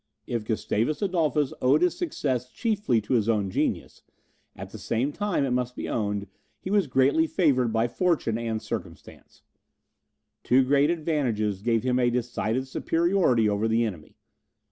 If Gustavus Adolphus owed his success chiefly to his own genius, at the same time, it must be owned, he was greatly favoured by fortune and by circumstances. Two great advantages gave him a decided superiority over the enemy.